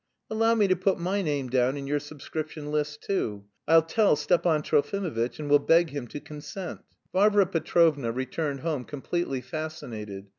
"Allow me to put my name down in your subscription list too. I'll tell Stepan Trofimovitch and will beg him to consent." Varvara Petrovna returned home completely fascinated.